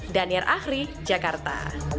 danir akhri jakarta